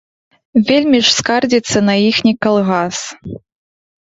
Вельмі ж скардзіцца на іхні калгас.